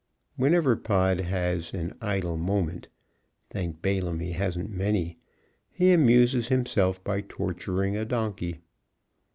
Whenever Pod has an idle moment thank Balaam he hasn't many! he amuses himself by torturing a donkey.